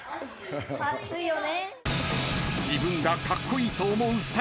暑いよね。